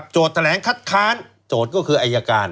แถลงคัดค้านโจทย์ก็คืออายการ